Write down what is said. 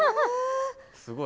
すごい。